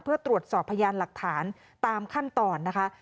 เพื่อตรวจสอบพยานหลักฐานตามขั้นตอนนะคะ